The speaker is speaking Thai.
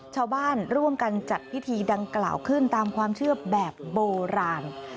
ชาวบ้านร่วมกันจัดพิธีดังกล่าวขึ้นตามความเชื่อแบบโบราณ